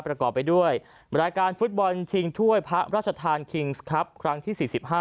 ประกอบไปด้วยรายการฟุตบอลชิงถ้วยพระราชทานคิงส์ครับครั้งที่๔๕